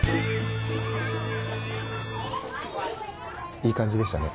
いい感じでしたね